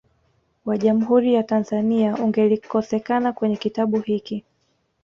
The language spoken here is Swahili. wa Jamhuri ya Tanzania ungelikosekana kwenye kitabu hiki